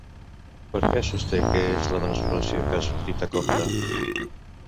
Per què sosté que és la transformació que ha sortit a compte?